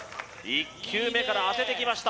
１球目から当ててきました